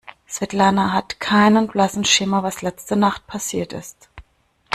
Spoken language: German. Svetlana hat keinen blassen Schimmer, was letzte Nacht passiert ist.